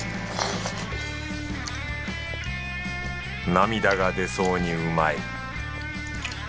涙が出そうにうまい